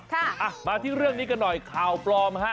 อ่ะมาที่เรื่องนี้กันหน่อยข่าวปลอมฮะ